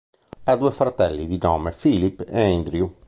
Ha due fratelli di nome Phillip e Andrew.